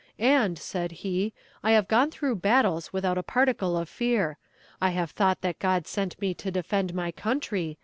"And," said he, "I have gone through battles without a particle of fear. I have thought that God sent me to defend my country.